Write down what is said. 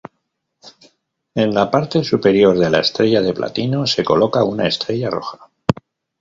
En la parte superior de la estrella de platino se coloca una estrella roja.